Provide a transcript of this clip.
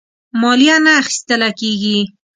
مالیه نه اخیستله کیږي.